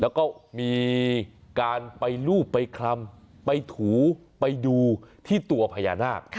แล้วก็มีการไปลูบไปคลำไปถูไปดูที่ตัวพญานาค